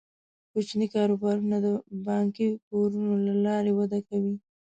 کوچني کاروبارونه د بانکي پورونو له لارې وده کوي.